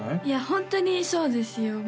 いやホントにそうですよ